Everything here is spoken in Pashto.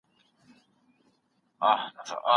بې له پياوړي حافظې څېړونکی پرمختګ نسي کولای.